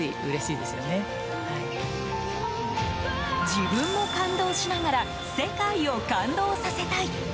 自分も感動しながら世界を感動させたい。